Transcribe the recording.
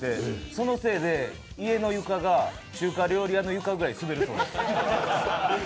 そのせいで、家の床が中華料理屋の床ぐらい滑るそうです。